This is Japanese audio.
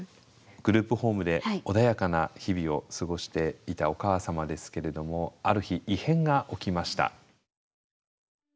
グループホームで穏やかな日々を過ごしていたお母様ですけれどもある日異変が起きました。